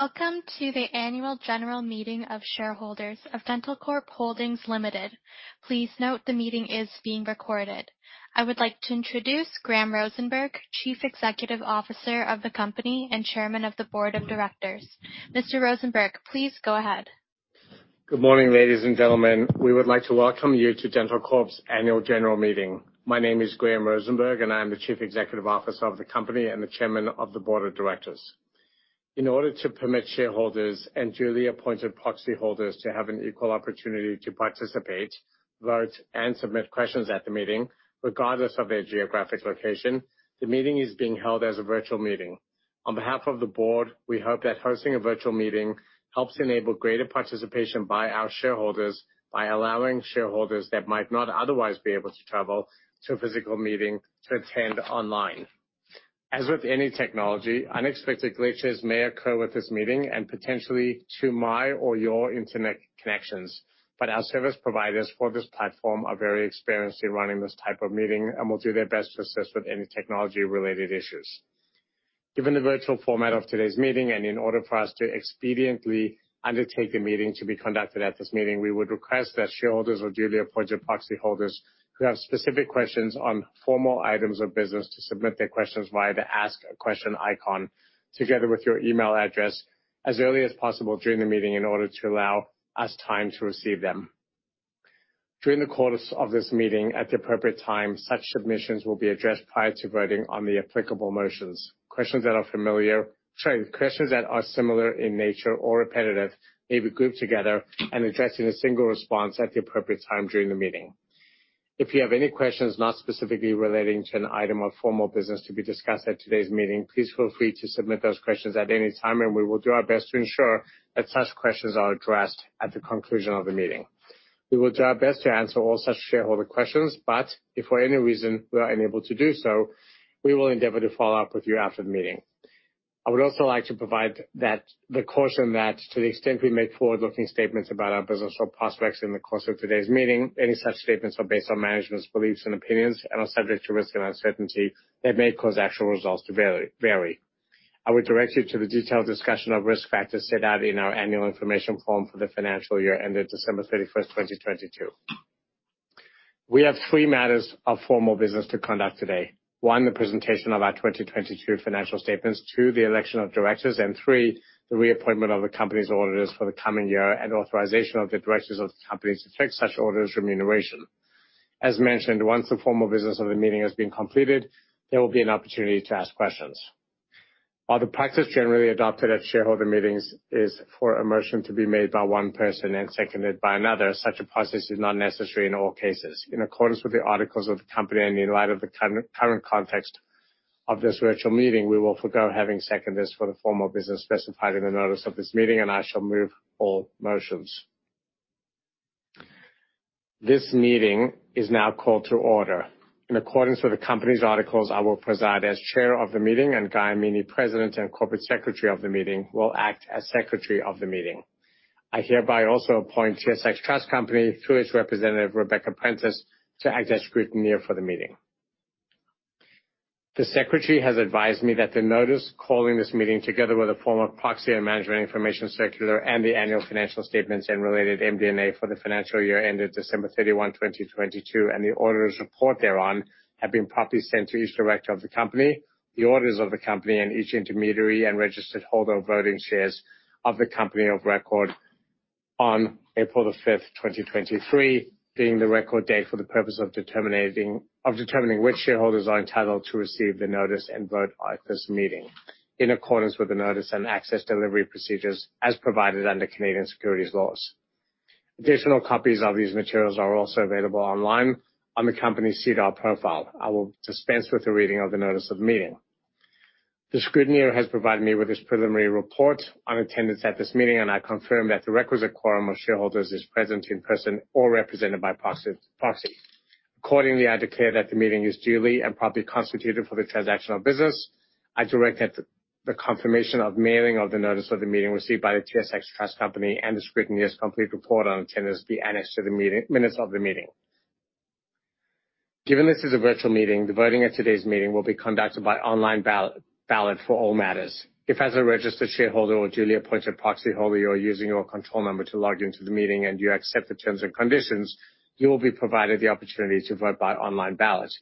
Welcome to the annual general meeting of shareholders of dentalcorp Holdings Limited. Please note, the meeting is being recorded. I would like to introduce Graham Rosenberg, chief executive officer of the company and chairman of the board of directors. Mr. Rosenberg, please go ahead. Good morning, ladies and gentlemen. We would like to welcome you to dentalcorp's annual general meeting. My name is Graham Rosenberg. I am the chief executive officer of the company and the chairman of the board of directors. In order to permit shareholders and duly appointed proxy holders to have an equal opportunity to participate, vote, and submit questions at the meeting, regardless of their geographic location, the meeting is being held as a virtual meeting. On behalf of the board, we hope that hosting a virtual meeting helps enable greater participation by our shareholders by allowing shareholders that might not otherwise be able to travel to a physical meeting to attend online. As with any technology, unexpected glitches may occur with this meeting and potentially to my or your internet connections. Our service providers for this platform are very experienced in running this type of meeting and will do their best to assist with any technology-related issues. Given the virtual format of today's meeting, in order for us to expediently undertake a meeting to be conducted at this meeting, we would request that shareholders or duly appointed proxy holders who have specific questions on formal items of business to submit their questions via the Ask a Question icon, together with your email address, as early as possible during the meeting in order to allow us time to receive them. During the course of this meeting, at the appropriate time, such submissions will be addressed prior to voting on the applicable motions. Questions that are familiar. Sorry. Questions that are similar in nature or repetitive may be grouped together and addressed in a single response at the appropriate time during the meeting. If you have any questions not specifically relating to an item of formal business to be discussed at today's meeting, please feel free to submit those questions at any time. We will do our best to ensure that such questions are addressed at the conclusion of the meeting. We will do our best to answer all such shareholder questions. If for any reason we are unable to do so, we will endeavor to follow up with you after the meeting. I would also like to provide the caution that to the extent we make forward-looking statements about our business or prospects in the course of today's meeting, any such statements are based on management's beliefs and opinions and are subject to risk and uncertainty that may cause actual results to vary. I would direct you to the detailed discussion of risk factors set out in our annual information form for the financial year ended December 31st, 2022. We have three matters of formal business to conduct today: one, the presentation of our 2022 financial statements; two, the election of directors; and three, the reappointment of the company's auditors for the coming year and authorization of the directors of the company to fix such auditors' remuneration. As mentioned, once the formal business of the meeting has been completed, there will be an opportunity to ask questions. While the practice generally adopted at shareholder meetings is for a motion to be made by one person and seconded by another, such a process is not necessary in all cases. In accordance with the articles of the company and in light of the current context of this virtual meeting, we will forgo having seconders for the formal business specified in the notice of this meeting. I shall move all motions. This meeting is now called to order. In accordance with the company's articles, I will preside as chair of the meeting, and Guy Amini, President and corporate secretary of the meeting, will act as secretary of the meeting. I hereby also appoint TSX Trust Company, through its representative, Rebecca Prentice, to act as scrutineer for the meeting. The secretary has advised me that the notice calling this meeting, together with a form of proxy and management information circular and the annual financial statements and related MD&A for the financial year ended December 31, 2022, and the auditor's report thereon, have been properly sent to each director of the company, the auditors of the company, and each intermediary and registered holder of voting shares of the company of record on April 5th, 2023, being the record date for the purpose of determining which shareholders are entitled to receive the notice and vote at this meeting, in accordance with the notice and access delivery procedures as provided under Canadian securities laws. Additional copies of these materials are also available online on the company's SEDAR profile. I will dispense with the reading of the notice of the meeting. The scrutineer has provided me with this preliminary report on attendance at this meeting, and I confirm that the requisite quorum of shareholders is present in person or represented by proxy. Accordingly, I declare that the meeting is duly and properly constituted for the transaction of business. I direct that the confirmation of mailing of the notice of the meeting received by the TSX Trust Company and the scrutineer's complete report on attendance be annexed to the meeting minutes of the meeting. Given this is a virtual meeting, the voting at today's meeting will be conducted by online ballot for all matters. If, as a registered shareholder or duly appointed proxyholder, you are using your control number to log into the meeting and you accept the terms and conditions, you will be provided the opportunity to vote by online ballot.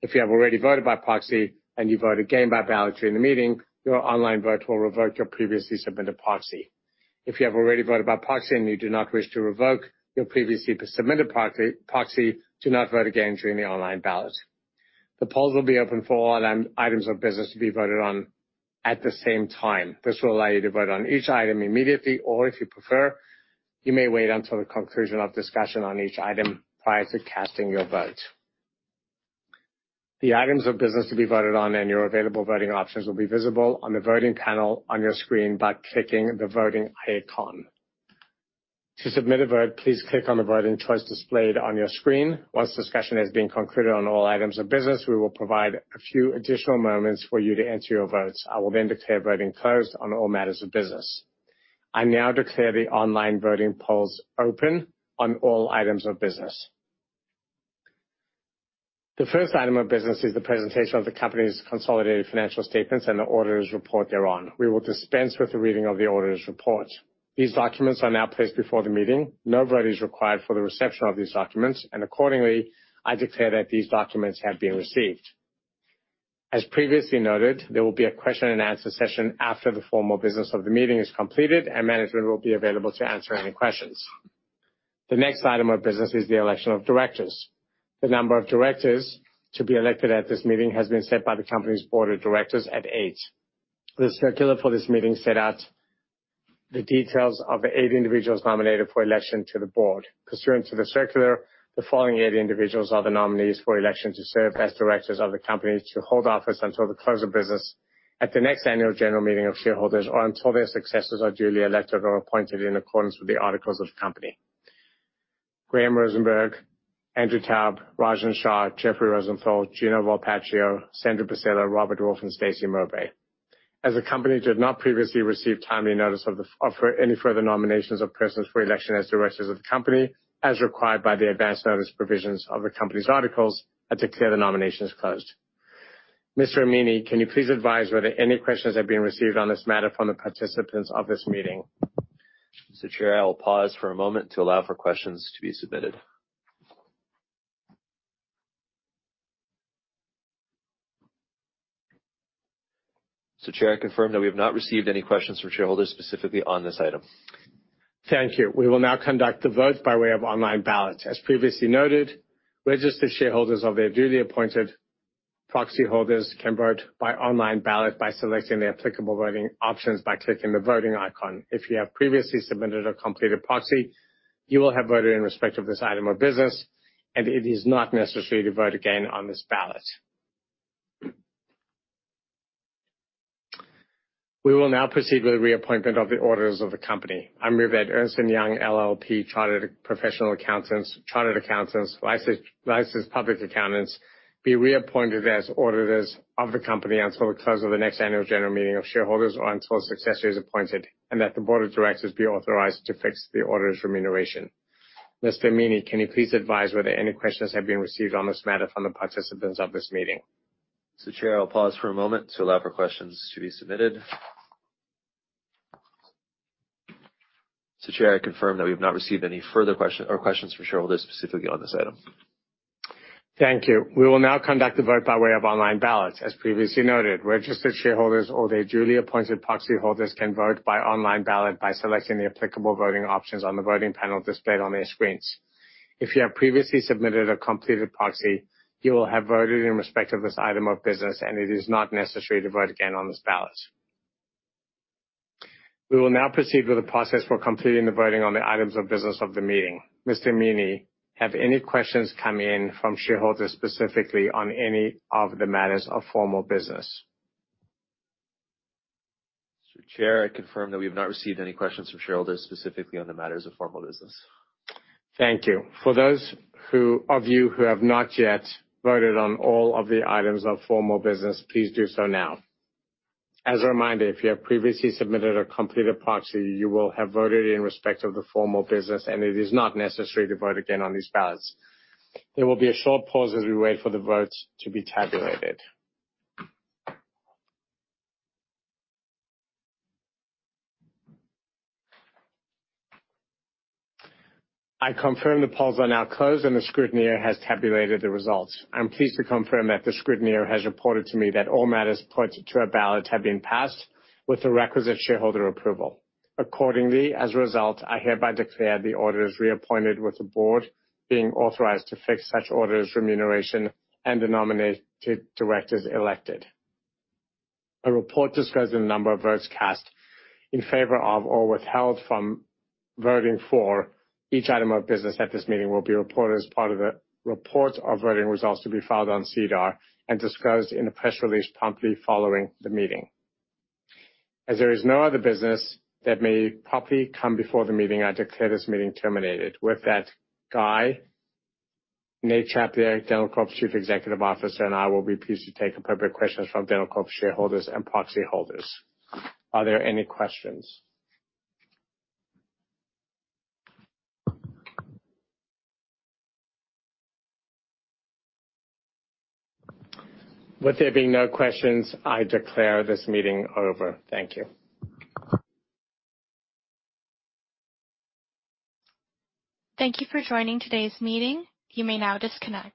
If you have already voted by proxy and you vote again by ballot during the meeting, your online vote will revoke your previously submitted proxy. If you have already voted by proxy and you do not wish to revoke your previously submitted proxy, do not vote again during the online ballot. The polls will be open for all items of business to be voted on at the same time. This will allow you to vote on each item immediately, or if you prefer, you may wait until the conclusion of discussion on each item prior to casting your vote. The items of business to be voted on and your available voting options will be visible on the voting panel on your screen by clicking the Voting icon. To submit a vote, please click on the voting choice displayed on your screen. Once discussion has been concluded on all items of business, we will provide a few additional moments for you to enter your votes. I will then declare voting closed on all matters of business. I now declare the online voting polls open on all items of business. The first item of business is the presentation of the company's consolidated financial statements and the auditor's report thereon. We will dispense with the reading of the auditor's report. These documents are now placed before the meeting. No vote is required for the reception of these documents, and accordingly, I declare that these documents have been received. As previously noted, there will be a question-and-answer session after the formal business of the meeting is completed, and management will be available to answer any questions. The next item of business is the election of directors. The number of directors to be elected at this meeting has been set by the company's board of directors at eight. The circular for this meeting set out the details of the eight individuals nominated for election to the board. Pursuant to the circular, the following eight individuals are the nominees for election to serve as directors of the company, to hold office until the close of business at the next annual general meeting of shareholders or until their successors are duly elected or appointed in accordance with the articles of the company: Graham Rosenberg, Andrew Taub, Rajan Shah, Jeffrey Rosenthal, Gino Volpicelli, Sandra Bosela, Robert Wolf, and Stacey Mowbray. As the company did not previously receive timely notice of any further nominations of persons for election as directors of the company, as required by the advance notice provisions of the company's articles, I declare the nominations closed. Mr. Amini, can you please advise whether any questions have been received on this matter from the participants of this meeting? Mr. Chair, I will pause for a moment to allow for questions to be submitted. Mr. Chair, I confirm that we have not received any questions from shareholders specifically on this item. Thank you. We will now conduct the vote by way of online ballot. As previously noted, registered shareholders or their duly appointed proxy holders can vote by online ballot by selecting the applicable voting options by clicking the voting icon. If you have previously submitted a completed proxy, you will have voted in respect of this item of business, and it is not necessary to vote again on this ballot. We will now proceed with the reappointment of the auditors of the company. I move that Ernst & Young LLP, chartered professional accountants, chartered accountants, licensed public accountants, be reappointed as auditors of the company until the close of the next annual general meeting of shareholders or until a successor is appointed, and that the board of directors be authorized to fix the auditor's remuneration. Mr. Amini, can you please advise whether any questions have been received on this matter from the participants of this meeting? Mr. Chair, I'll pause for a moment to allow for questions to be submitted. Mr. Chair, I confirm that we have not received any further question or questions from shareholders specifically on this item. Thank you. We will now conduct the vote by way of online ballots. As previously noted, registered shareholders or their duly appointed proxy holders can vote by online ballot by selecting the applicable voting options on the voting panel displayed on their screens. If you have previously submitted a com pleted proxy, you will have voted in respect of this item of business, and it is not necessary to vote again on this ballot. We will now proceed with the process for completing the voting on the items of business of the meeting. Mr. Amini, have any questions come in from shareholders specifically on any of the matters of formal business? Mr. Chair, I confirm that we have not received any questions from shareholders specifically on the matters of formal business. Thank you. For those of you who have not yet voted on all of the items of formal business, please do so now. As a reminder, if you have previously submitted a completed proxy, you will have voted in respect of the formal business, and it is not necessary to vote again on these ballots. There will be a short pause as we wait for the votes to be tabulated. I confirm the polls are now closed, and the scrutineer has tabulated the results. I'm pleased to confirm that the scrutineer has reported to me that all matters put to a ballot have been passed with the requisite shareholder approval. Accordingly, as a result, I hereby declare the auditors reappointed, with the board being authorized to fix such auditors' remuneration and the nominated directors elected. A report discussing the number of votes cast in favor of, or withheld from voting for each item of business at this meeting, will be reported as part of the report of voting results to be filed on SEDAR and discussed in a press release promptly following the meeting. There is no other business that may properly come before the meeting, I declare this meeting terminated. With that, Guy, Nate Tchaplia, dentalcorp's Chief Financial Officer, and I will be pleased to take appropriate questions from dentalcorp shareholders and proxy holders. Are there any questions? With there being no questions, I declare this meeting over. Thank you. Thank you for joining today's meeting. You may now disconnect.